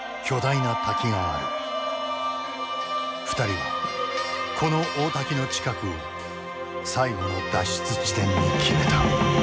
２人はこの大滝の近くを最後の脱出地点に決めた。